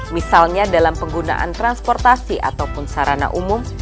misalnya dalam penggunaan transportasi ataupun sarana umum